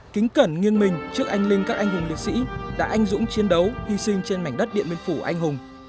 kính cẩn nghiêng mình trước anh linh các anh hùng liệt sĩ đã anh dũng chiến đấu hy sinh trên mảnh đất điện biên phủ anh hùng